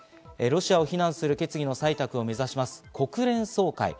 ロシアを非難する決議の採択を目指す国連総会。